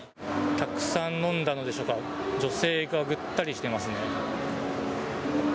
たくさん飲んだのでしょうか、女性がぐったりしてますね。